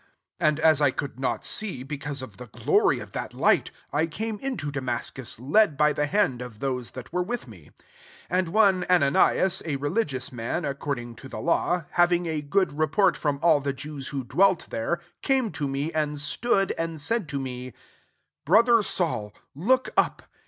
11 And as 1 could not see, because of the glory of that light, I came into Damascus, led by the hand of those that were with me. 12 " And one Ananias, a re ligious man, according to the law, having a good report from all the Jews who dwelt thercy 1 3 came to me, and stood, and said to me, < Brother Saul^ look up.'